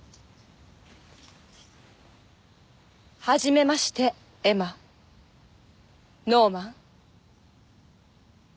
初めましてエマノーマン。